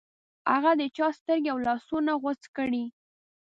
هغه د چا سترګې او لاسونه غوڅ کړې.